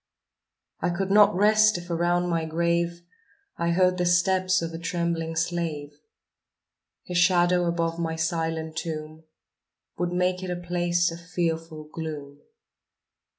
I could not rest if around my grave I heard the steps of a trembling slave; His shadow above my silent tomb Would make it a place of fearful gloom.